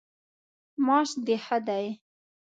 معاش د ښه دی؟